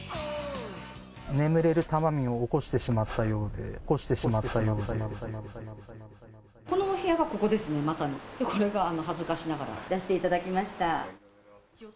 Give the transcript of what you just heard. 眠れる多摩民を起こしてしまったようで、このお部屋がここですね、まここが、恥ずかしながら出していただきました。